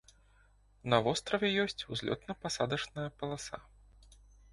На востраве ёсць узлётна-пасадачная паласа.